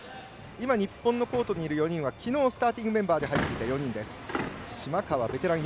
日本のコートにいる４人はきのうスターティングメンバーで入っていた４人です。